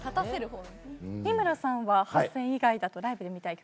三村さんは８選以外だとライブで見たい曲何ですか？